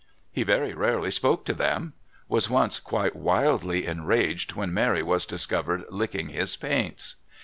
He very rarely spoke to them; was once quite wildly enraged when Mary was discovered licking his paints.